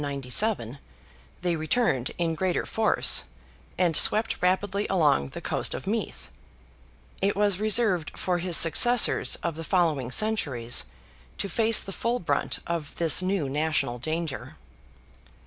797) they returned in greater force, and swept rapidly along the coast of Meath; it was reserved for his successors of the following centuries to face the full brunt of this new national danger.